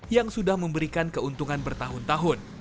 yang sudah memberikan keuntungan bertahun tahun